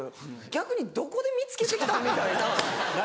逆にどこで見つけて来た？みたいな。